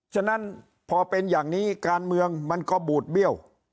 ฉะนั้นพอเป็นอย่างนี้การเมืองมันก็บูดเบี้ยว